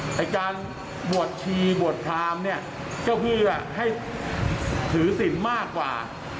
แต่การบวชชีบวชพรามเนี่ยก็เพื่อให้ถือศิลป์มากกว่า